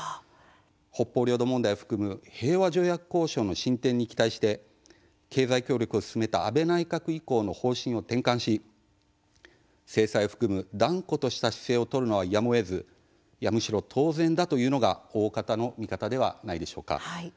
北方領土問題を含む平和条約交渉の進展に期待して経済協力を進めた安倍内閣以降の方針を転換し制裁を含む断固とした姿勢を取るのはやむをえずむしろ当然だというのが大方の見方ではないでしょうか。